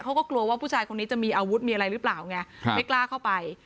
เขาก็กลัวว่าผู้ชายคนนี้จะมีอาวุธมีอะไรหรือเปล่าไงไม่กล้าเข้าไป